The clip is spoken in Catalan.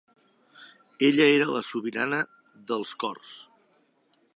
Ella era la sobirana dels cors.